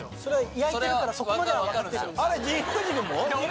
焼いてるからそこまでは分かる。